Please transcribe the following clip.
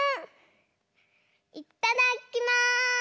いっただっきます！